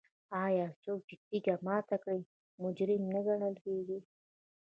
آیا څوک چې تیږه ماته کړي مجرم نه ګڼل کیږي؟